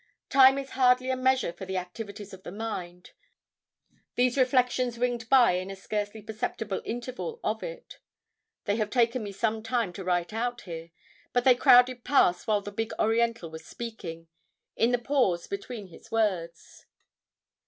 Time is hardly a measure for the activities of the mind. These reflections winged by in a scarcely perceptible interval of it. They have taken me some time to write out here, but they crowded past while the big Oriental was speaking—in the pause between his words.